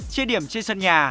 chia điểm trên sân nhà